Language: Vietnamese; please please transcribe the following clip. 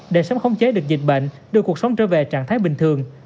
để sớm khống chế được dịch bệnh đưa cuộc sống trở về trạng thái bình thường